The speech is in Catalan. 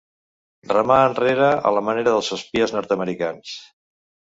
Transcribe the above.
Remar enrere a la manera dels espies nord-americans.